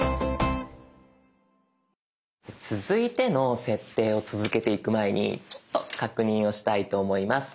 続いての設定を続けていく前にちょっと確認をしたいと思います。